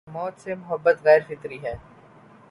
موت سے محبت غیر فطری ہے۔